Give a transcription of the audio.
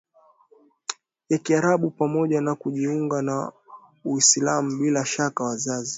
ya Kiarabu pamoja na kujiunga na Uislamu Bila shaka wazazi